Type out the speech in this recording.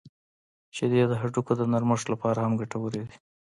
• شیدې د هډوکو د نرمښت لپاره هم ګټورې دي.